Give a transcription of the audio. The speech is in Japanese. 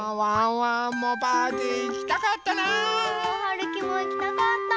るきもいきたかった。